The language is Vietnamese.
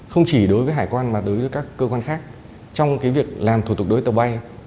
không chỉ đối với hải quan mà đối với các cơ quan khác trong việc làm thủ tục đối tập bay